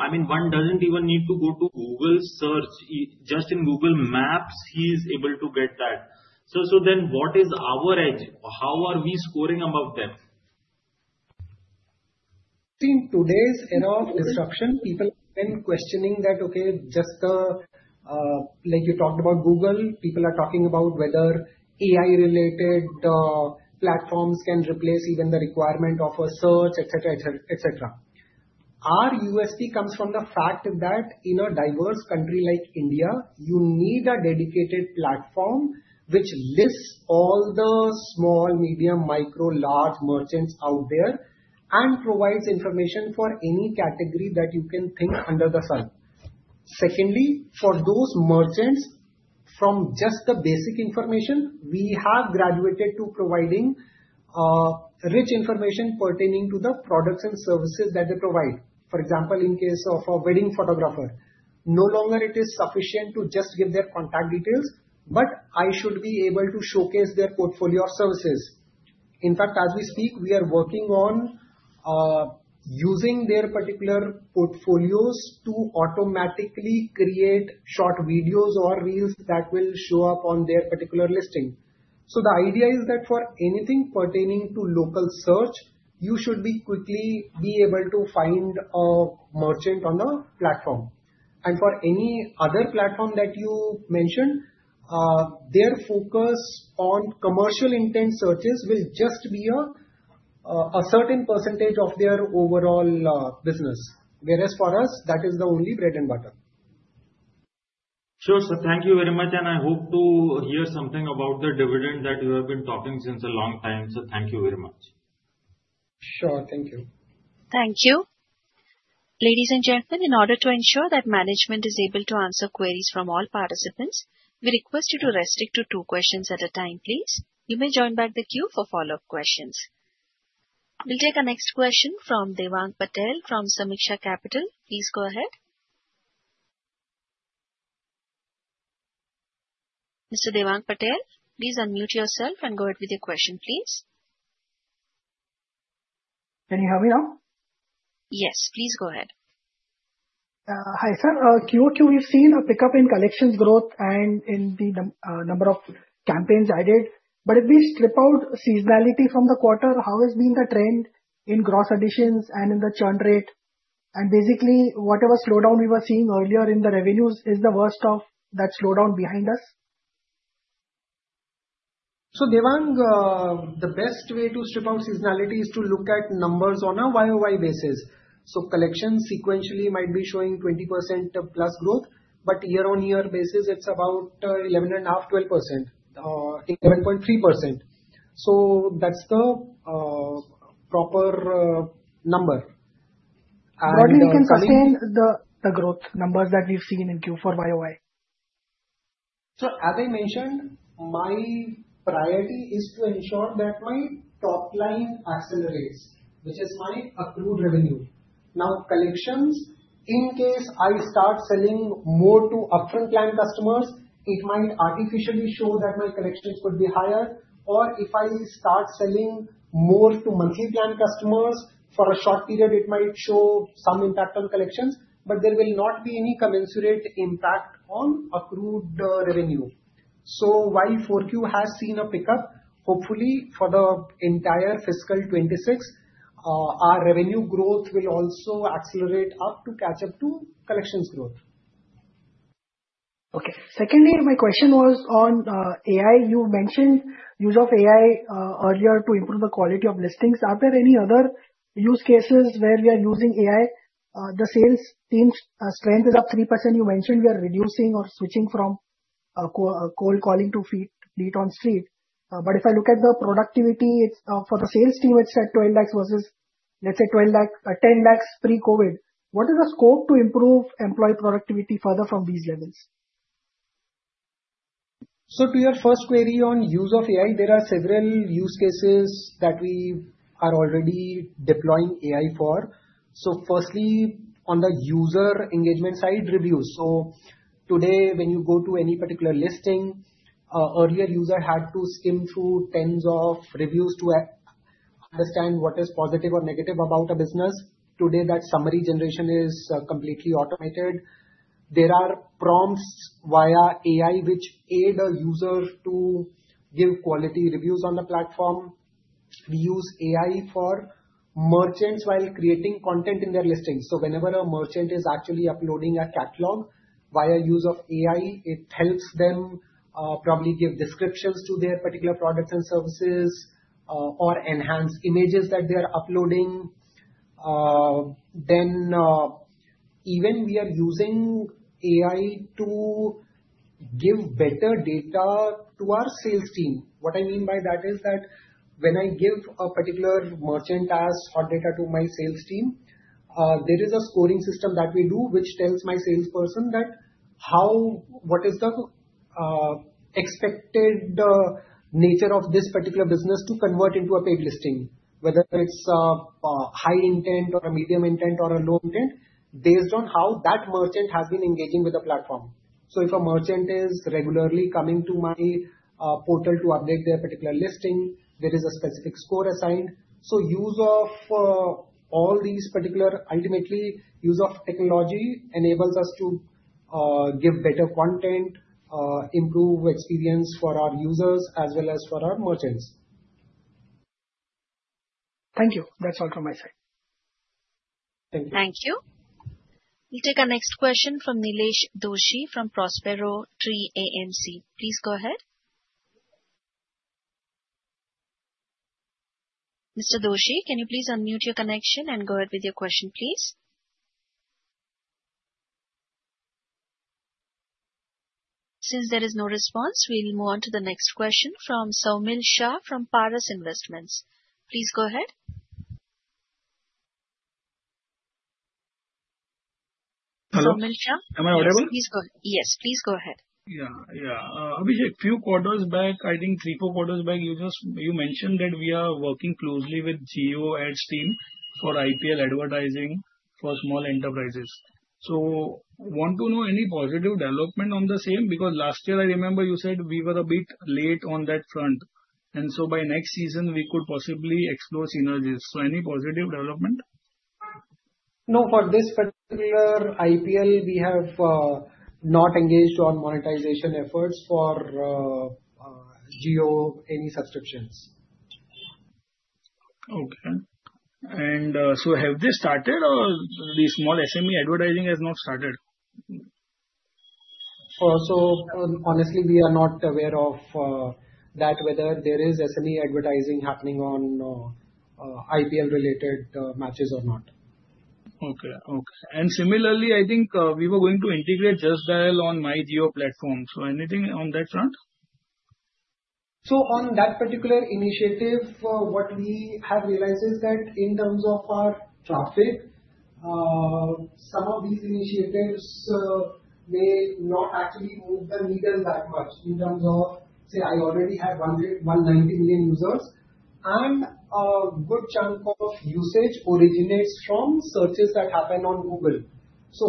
I mean, one does not even need to go to Google search. Just in Google Maps, he is able to get that. So what is our edge? How are we scoring above them? In today's era of disruption, people have been questioning that, okay, just like you talked about Google, people are talking about whether AI-related platforms can replace even the requirement of a search, etc., etc. Our USP comes from the fact that in a diverse country like India, you need a dedicated platform which lists all the small, medium, micro, large merchants out there and provides information for any category that you can think under the sun. Secondly, for those merchants, from just the basic information, we have graduated to providing rich information pertaining to the products and services that they provide. For example, in case of a wedding photographer, no longer it is sufficient to just give their contact details, but I should be able to showcase their portfolio of services. In fact, as we speak, we are working on using their particular portfolios to automatically create short videos or reels that will show up on their particular listing. The idea is that for anything pertaining to local search, you should quickly be able to find a merchant on the platform. For any other platform that you mentioned, their focus on commercial intent searches will just be a certain percentage of their overall business. Whereas for us, that is the only bread and butter. Sure. Thank you very much. I hope to hear something about the dividend that you have been talking about since a long time. Thank you very much. Sure. Thank you. Thank you. Ladies and gentlemen, in order to ensure that management is able to answer queries from all participants, we request you to restrict to two questions at a time, please. You may join back the queue for follow-up questions. We'll take our next question from Devang Patel from Sameeksha Capital. Please go ahead. Mr. Devang Patel, please unmute yourself and go ahead with your question, please. Can you hear me now? Yes, please go ahead. Hi sir. QOQ, we've seen a pickup in collections growth and in the number of campaigns added. If we strip out seasonality from the quarter, how has been the trend in gross additions and in the churn rate? Basically, whatever slowdown we were seeing earlier in the revenues, is the worst of that slowdown behind us? Devang, the best way to strip out seasonality is to look at numbers on a YOY basis. Collections sequentially might be showing 20% plus growth, but year-on-year basis, it's about 11.5%, 12%, 11.3%. That's the proper number. What do you think can sustain the growth numbers that we've seen in Q for YOY? As I mentioned, my priority is to ensure that my top line accelerates, which is my accrued revenue. Now, collections, in case I start selling more to upfront plan customers, it might artificially show that my collections could be higher. Or if I start selling more to monthly plan customers, for a short period, it might show some impact on collections, but there will not be any commensurate impact on accrued revenue. Y4Q has seen a pickup. Hopefully, for the entire fiscal 2026, our revenue growth will also accelerate up to catch up to collections growth. Okay. Secondly, my question was on AI. You mentioned use of AI earlier to improve the quality of listings. Are there any other use cases where we are using AI? The sales team's strength is up 3%. You mentioned we are reducing or switching from cold calling to feet on the street. If I look at the productivity, for the sales team, it is at 1.2 million versus, let's say, 1 million pre-COVID. What is the scope to improve employee productivity further from these levels? To your first query on use of AI, there are several use cases that we are already deploying AI for. Firstly, on the user engagement side, reviews. Today, when you go to any particular listing, earlier, the user had to skim through tens of reviews to understand what is positive or negative about a business. Today, that summary generation is completely automated. There are prompts via AI which aid a user to give quality reviews on the platform. We use AI for merchants while creating content in their listings. Whenever a merchant is actually uploading a catalog via use of AI, it helps them probably give descriptions to their particular products and services or enhance images that they are uploading. Even we are using AI to give better data to our sales team. What I mean by that is that when I give a particular merchant ask hot data to my sales team, there is a scoring system that we do which tells my salesperson what is the expected nature of this particular business to convert into a paid listing, whether it's a high intent or a medium intent or a low intent, based on how that merchant has been engaging with the platform. If a merchant is regularly coming to my portal to update their particular listing, there is a specific score assigned. Use of all these particular ultimately use of technology enables us to give better content, improve experience for our users as well as for our merchants. Thank you. That's all from my side. Thank you. Thank you. We'll take our next question from Nilesh Doshi from Prospero Tree AMC. Please go ahead. Mr. Doshi, can you please unmute your connection and go ahead with your question, please? Since there is no response, we'll move on to the next question from Saumil Shah from Paras Investments. Please go ahead. Hello. Am I audible? Yes, please go ahead. Yeah. Yeah. Abhishek, a few quarters back, I think three, four quarters back, you mentioned that we are working closely with JioAds team for IPL advertising for small enterprises. I want to know any positive development on the same because last year, I remember you said we were a bit late on that front. By next season, we could possibly explore synergies. Any positive development? No. For this particular IPL, we have not engaged on monetization efforts for JioAds or any subscriptions. Okay. Have they started or the small SME advertising has not started? Honestly, we are not aware of that, whether there is SME advertising happening on IPL-related matches or not. Okay. Okay. Similarly, I think we were going to integrate Just Dial on MyJio platform. Anything on that front? On that particular initiative, what we have realized is that in terms of our traffic, some of these initiatives may not actually move the needle that much in terms of, say, I already have 190 million users, and a good chunk of usage originates from searches that happen on Google.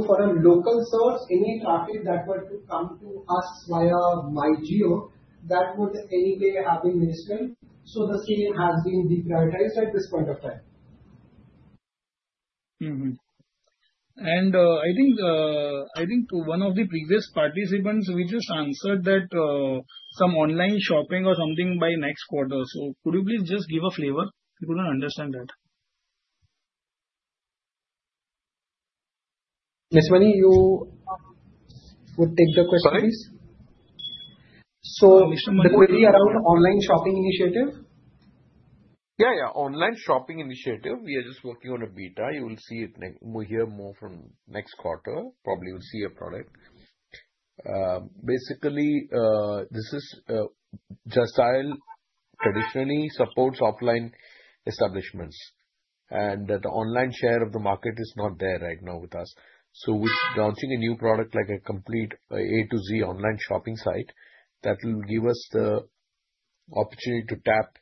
For a local search, any traffic that were to come to us via MyJio, that would anyway have been minuscule. The scale has been deprioritized at this point of time. I think one of the previous participants, we just answered that some online shopping or something by next quarter. Could you please just give a flavor? We could not understand that. Mr. Mani, you would take the question, please? Sorry. The query around online shopping initiative? Yeah, yeah. Online shopping initiative, we are just working on a beta. You will see it here more from next quarter. Probably you'll see a product. Basically, this is Just Dial traditionally supports offline establishments. The online share of the market is not there right now with us. We are launching a new product like a complete A to Z online shopping site that will give us the opportunity to tap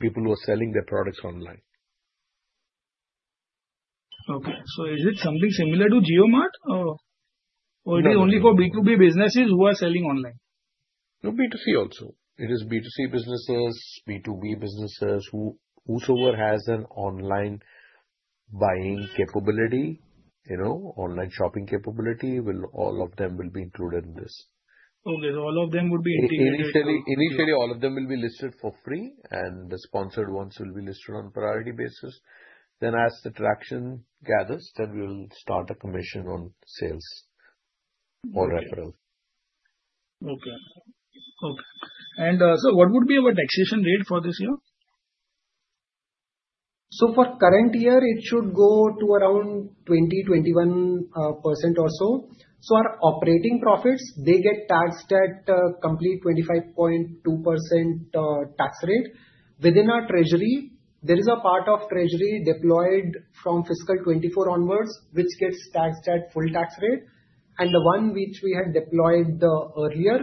people who are selling their products online. Okay. Is it something similar to JioMart or is it only for B2B businesses who are selling online? No, B2C also. It is B2C businesses, B2B businesses, whosoever has an online buying capability, online shopping capability, all of them will be included in this. Okay. So all of them would be integrated? Initially, all of them will be listed for free, and the sponsored ones will be listed on a priority basis. As the traction gathers, then we'll start a commission on sales or referral. Okay. Okay. What would be our taxation rate for this year? For current year, it should go to around 20%-21% or so. Our operating profits, they get taxed at a complete 25.2% tax rate. Within our treasury, there is a part of treasury deployed from fiscal 2024 onwards, which gets taxed at full tax rate. The one which we had deployed earlier,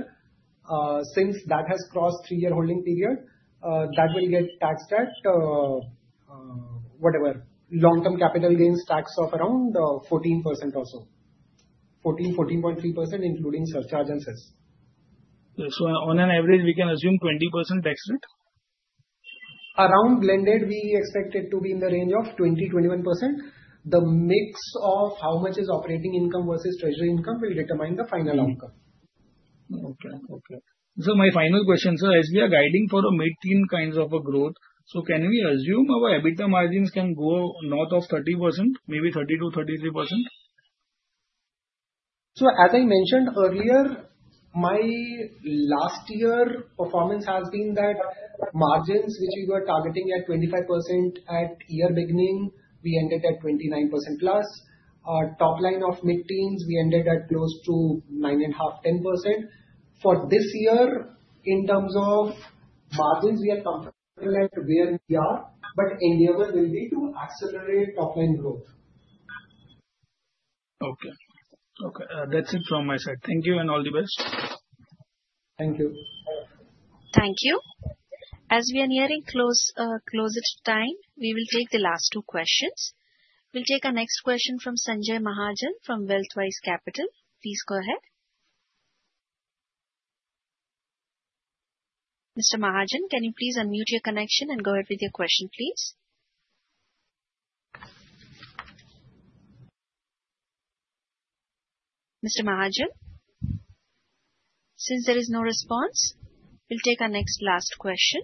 since that has crossed three-year holding period, that will get taxed at whatever long-term capital gains tax of around 14% or so, 14-14.3% including surcharges. On an average, we can assume 20% tax rate? Around blended, we expect it to be in the range of 20%-21%. The mix of how much is operating income versus treasury income will determine the final outcome. Okay. Okay. My final question, sir, as we are guiding for a mid-teen kinds of a growth, can we assume our EBITDA margins can go north of 30%, maybe 30%-33%? As I mentioned earlier, my last year performance has been that margins which we were targeting at 25% at year beginning, we ended at 29% plus. Top line of mid-teens, we ended at close to 9.5%-10%. For this year, in terms of margins, we are comfortable at where we are, but endeavor will be to accelerate top line growth. Okay. Okay. That's it from my side. Thank you and all the best. Thank you. Thank you. As we are nearing closed time, we will take the last two questions. We'll take our next question from Sanjay Mahajan from Wealthwise Capital. Please go ahead. Mr. Mahajan, can you please unmute your connection and go ahead with your question, please? Mr. Mahajan, since there is no response, we'll take our next last question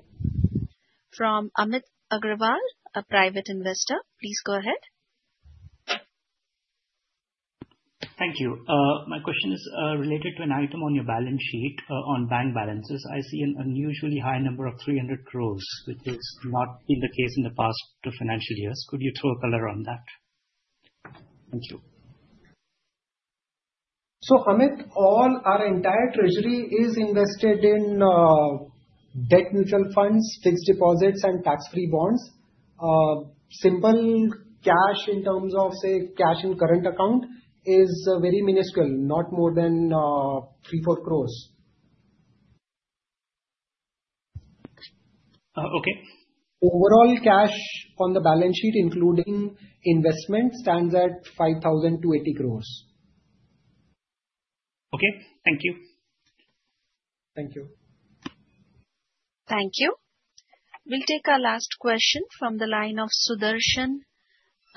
from Amit Agrawal, a private investor. Please go ahead. Thank you. My question is related to an item on your balance sheet on bank balances. I see an unusually high number of 3.00 billion, which has not been the case in the past two financial years. Could you throw a color on that? Thank you. Amit, all our entire treasury is invested in debt mutual funds, fixed deposits, and tax-free bonds. Simple cash in terms of, say, cash in current account is very minuscule, not more than 30,000,000-40,000,000. Okay. Overall cash on the balance sheet, including investment, stands at 5,280 crore. Okay. Thank you. Thank you. Thank you. We'll take our last question from the line of Sudarshan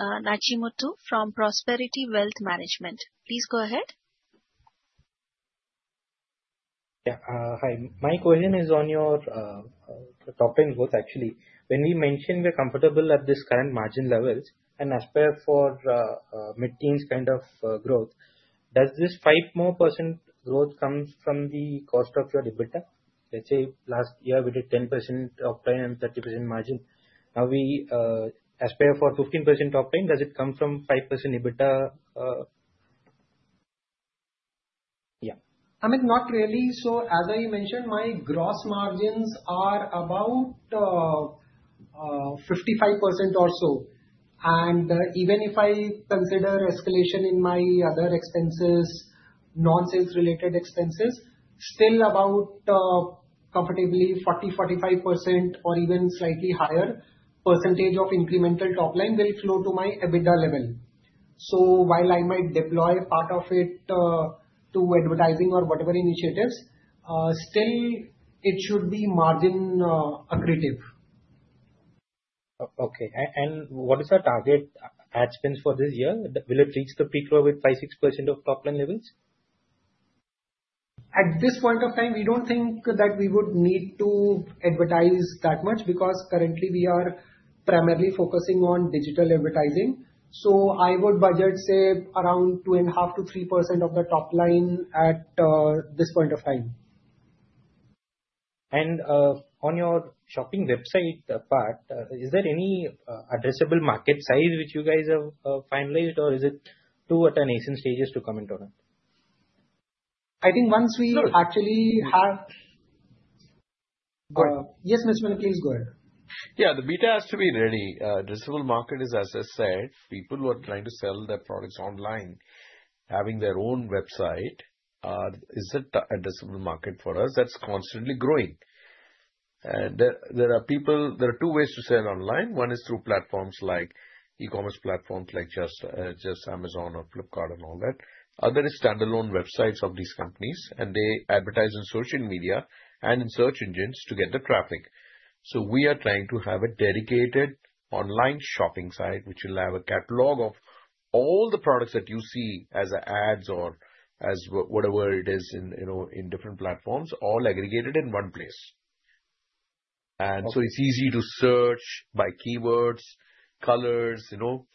Nachimuthu from Prosperity Wealth Management. Please go ahead. Yeah. Hi. My question is on your top line growth, actually. When we mention we are comfortable at this current margin levels and aspire for mid-teens kind of growth, does this 5% growth come from the cost of your EBITDA? Let's say last year we did 10% top line and 30% margin. Now we aspire for 15% top line. Does it come from 5% EBITDA? Yeah. Amit, not really. As I mentioned, my gross margins are about 55% or so. Even if I consider escalation in my other expenses, non-sales related expenses, still about comfortably 40%-45% or even slightly higher percentage of incremental top line will flow to my EBITDA level. While I might deploy part of it to advertising or whatever initiatives, still it should be margin accretive. Okay. What is our target ad spend for this year? Will it reach the peak with 5%-6% of top line levels? At this point of time, we do not think that we would need to advertise that much because currently we are primarily focusing on digital advertising. I would budget, say, around 2.5%-3% of the top line at this point of time. On your shopping website part, is there any addressable market size which you guys have finalized or is it too at an nascent stages to comment on? I think once we actually have. Go ahead. Yes, Mr. Mani, please go ahead. Yeah. The beta has to be ready. Addressable market is, as I said, people who are trying to sell their products online, having their own website. Is that an addressable market for us? That's constantly growing. There are two ways to sell online. One is through platforms like e-commerce platforms like Amazon or Flipkart and all that. Other is standalone websites of these companies, and they advertise in social media and in search engines to get the traffic. We are trying to have a dedicated online shopping site which will have a catalog of all the products that you see as ads or as whatever it is in different platforms, all aggregated in one place. It is easy to search by keywords, colors. If you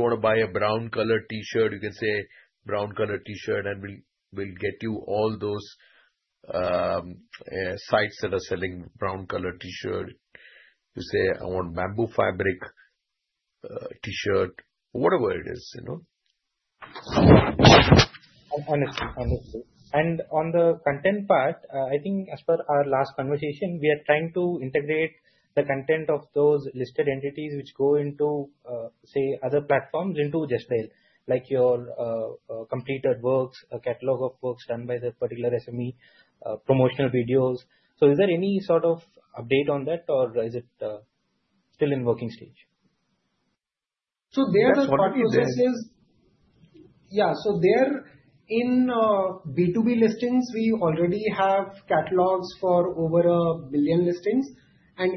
want to buy a brown-colored T-shirt, you can say, "Brown-colored T-shirt," and we'll get you all those sites that are selling brown-colored T-shirt. You say, "I want bamboo fabric T-shirt," whatever it is. Understood. Understood. On the content part, I think as per our last conversation, we are trying to integrate the content of those listed entities which go into, say, other platforms into Just Dial, like your completed works, a catalog of works done by the particular SME, promotional videos. Is there any sort of update on that, or is it still in working stage? There's a short process. That's what we're doing. Yeah. There in B2B listings, we already have catalogs for over a billion listings.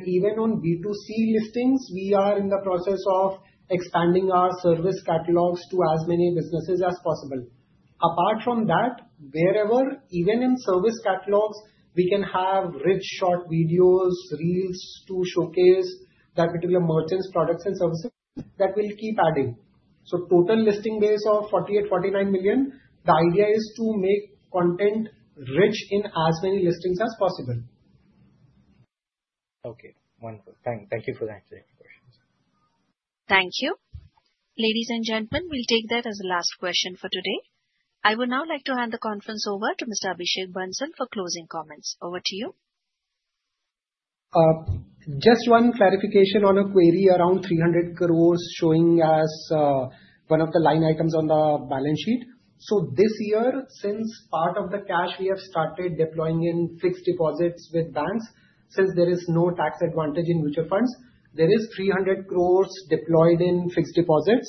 Even on B2C listings, we are in the process of expanding our service catalogs to as many businesses as possible. Apart from that, wherever, even in service catalogs, we can have rich short videos, reels to showcase that particular merchant's products and services that we will keep adding. Total listing base of 48-49 million, the idea is to make content rich in as many listings as possible. Okay. Wonderful. Thank you for answering my questions. Thank you. Ladies and gentlemen, we'll take that as a last question for today. I would now like to hand the conference over to Mr. Abhishek Bansal for closing comments. Over to you. Just one clarification on a query around 300 crore showing as one of the line items on the balance sheet. This year, since part of the cash we have started deploying in fixed deposits with banks, since there is no tax advantage in mutual funds, there is 300 crore deployed in fixed deposits,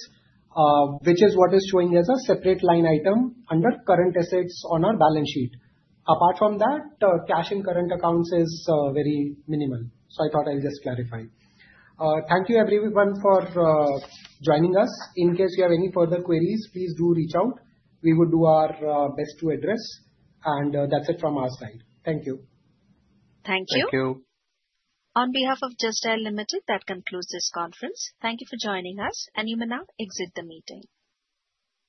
which is what is showing as a separate line item under current assets on our balance sheet. Apart from that, cash in current accounts is very minimal. I thought I'll just clarify. Thank you, everyone, for joining us. In case you have any further queries, please do reach out. We will do our best to address. That's it from our side. Thank you. Thank you. Thank you. On behalf of Just Dial Ltd., that concludes this conference. Thank you for joining us, and you may now exit the meeting.